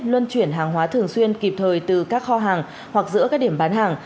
luân chuyển hàng hóa thường xuyên kịp thời từ các kho hàng hoặc giữa các điểm bán hàng